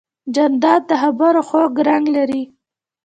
جانداد د خبرو خوږ رنګ لري.